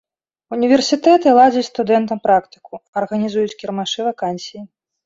Універсітэты ладзяць студэнтам практыку, арганізуюць кірмашы вакансій.